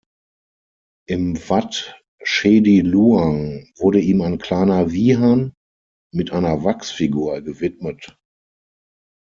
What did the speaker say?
Im Wat Chedi Luang wurde ihm ein kleiner Wihan mit einer Wachsfigur gewidmet.